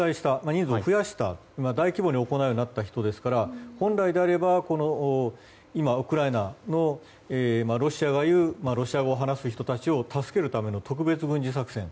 人数を増やした大規模に行うようにした人なので本来であれば今、ウクライナのロシアがいうロシア語を話す人たちを助けるための特別軍事作戦。